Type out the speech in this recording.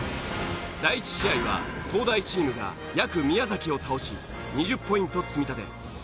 第１試合は東大チームがやく宮崎を倒し２０ポイント積み立て。